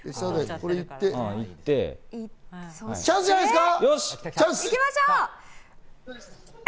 チャンスじゃないですか？